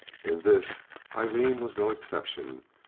In this Aileen was no exception.